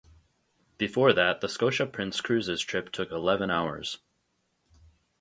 Before that, the Scotia Prince Cruises trip took eleven hours.